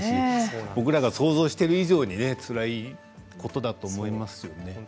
僕らが想像している以上につらいことだと思いますよ。